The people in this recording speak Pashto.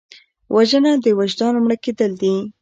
وژنه د وجدان مړه کېدل دي